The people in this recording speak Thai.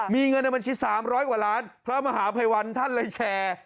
มีเงินในบัญชี๓๐๐กว่าล้านพระมหาภัยวันท่านเลยแชร์